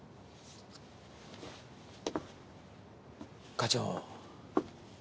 課長。